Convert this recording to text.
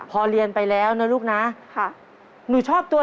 พอเรียนไปแล้วบางค่ะ